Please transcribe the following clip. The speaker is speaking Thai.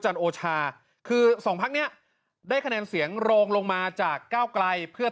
โอชาคือสองพักเนี้ยได้คะแนนเสียงรองลงมาจากก้าวไกลเพื่อ